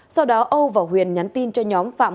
sau đó âu và huyền nhắn tin cho nhóm phạm